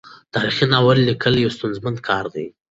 تاریخي ناول لیکل یو ستونزمن کار دی.